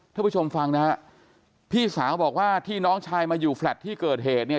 ท่านผู้ชมฟังนะฮะพี่สาวบอกว่าที่น้องชายมาอยู่แลต์ที่เกิดเหตุเนี่ย